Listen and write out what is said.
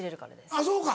あっそうか。